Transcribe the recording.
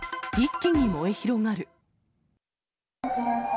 一気に燃え広がる。